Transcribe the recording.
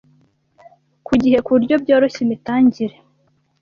ku gihe ku buryo byoroshya imitangire